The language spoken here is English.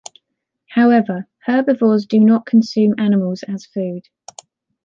However, herbivores do not consume animals as food.